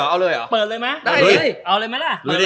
เอาเลยหรอเอาเลยหรอ